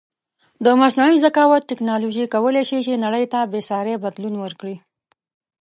د مصنوعې زکاوت ټکنالوژی کولی شې چې نړی ته بیساری بدلون ورکړې